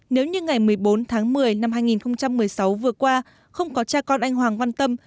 nếu như ngày một mươi bốn tháng một mươi năm hai nghìn một mươi sáu vừa qua không có cha con anh hoàng văn tâm